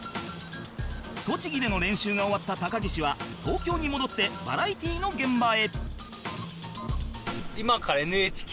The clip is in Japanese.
栃木での練習が終わった高岸は東京に戻ってバラエティの現場へ